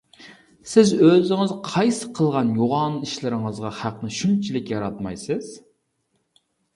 سىز ئۆزىڭىز قايسى قىلغان يوغان ئىشلىرىڭىزغا خەقنى شۇنچىلىك ياراتمايسىز؟ !